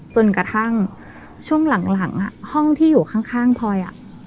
จนกระทั่งช่วงหลังห้องที่อยู่ข้างพลอย